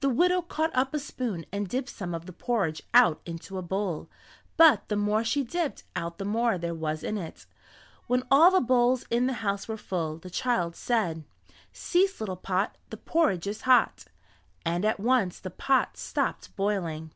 The widow caught up a spoon and dipped some of the porridge out into a bowl, but the more she dipped out the more there was in it. When all the bowls in the house were full, the child said: "Cease little pot, The porridge is hot," and at once the pot stopped boiling.